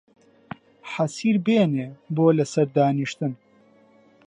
حەسیر بێنێ بۆ لە سەر دانیشتن